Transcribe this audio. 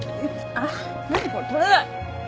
あっ何これ取れない。